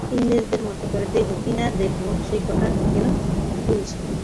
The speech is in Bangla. ইংরেজের মতো করে দেখব কি না-দেখব সে কথা কেন তুলছ!